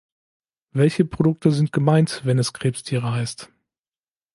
Welche Produkte sind gemeint, wenn es Krebstiere heißt?